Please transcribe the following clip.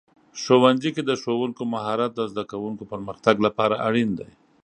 ښوونځي کې د ښوونکو مهارت د زده کوونکو پرمختګ لپاره اړین دی.